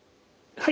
はい。